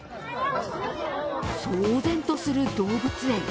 騒然とする動物園。